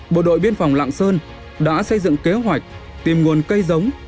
bộ đội biên phòng lạng sơn đã xây dựng kế hoạch tìm nguồn cây giống